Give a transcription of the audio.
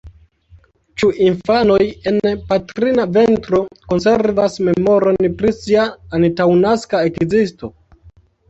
Ĉu infanoj en patrina ventro konservas memoron pri sia antaŭnaska ekzisto?